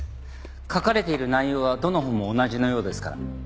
書かれている内容はどの本も同じのようですから。